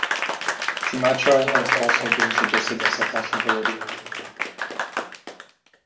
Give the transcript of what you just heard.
Sumatra has also been suggested as a possibility.